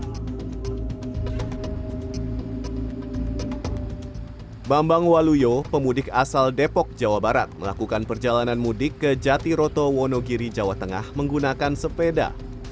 pemudik yang berada di jawa tengah bambang waluyo pemudik asal depok jawa barat melakukan perjalanan mudik ke jatiroto wonogiri jawa tengah menggunakan sepeda